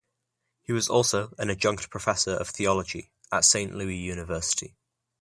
He was also an adjunct professor of theology at Saint Louis University.